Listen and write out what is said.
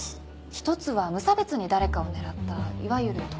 一つは無差別に誰かを狙ったいわゆる通り魔。